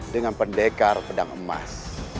dengan pendekar pedang emas